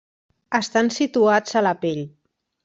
Estan situats a la pell.